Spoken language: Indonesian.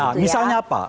ya misalnya apa